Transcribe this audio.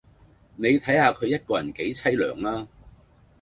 你睇下佢一個人幾淒涼呀